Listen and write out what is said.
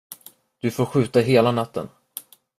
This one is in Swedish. Du får skjuta hela natten.